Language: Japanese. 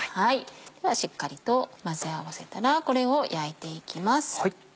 ではしっかりと混ぜ合わせたらこれを焼いていきます。